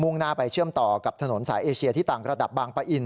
่งหน้าไปเชื่อมต่อกับถนนสายเอเชียที่ต่างระดับบางปะอิน